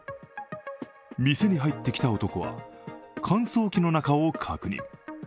店に入ってきた男は、乾燥機の中を確認。